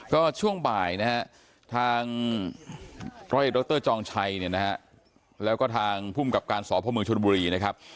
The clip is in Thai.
ก็ช่วงบ่ายนะครับทางตรจชแล้วก็ทางผู้กับการสอบพระมงชนบุรีนะครับ